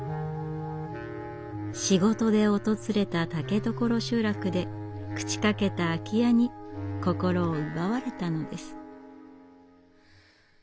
仕事で訪れた竹所集落で朽ちかけた空き家に心を奪われたのです。